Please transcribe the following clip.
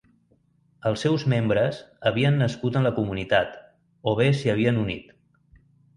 Els seus membres havien nascut en la comunitat o bé s'hi havien unit.